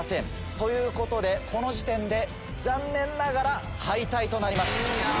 ということでこの時点で残念ながら敗退となります。